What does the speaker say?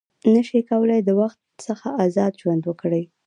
نه شي کولای د وېرې څخه آزاد ژوند وکړي.